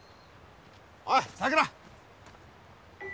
おいさくら。